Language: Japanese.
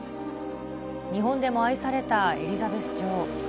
日本でも愛されたエリザベス女王。